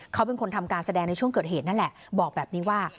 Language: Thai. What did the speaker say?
เขาเป็นคนทำการแสดงในช่วงเกิดเหตุนั่นแหละบอกแบบนี้ว่า